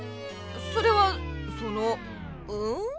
それはそのうん？